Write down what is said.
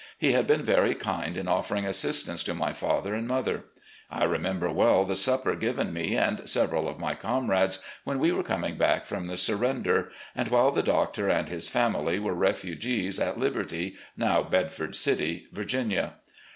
He had been very kind in offering assistance to my father and mother. I remember well the supper given me and several of my comrades when we were coming back from the surrender, and while the Doctor and his family were refugees at Liberty, now Bedford City, Va.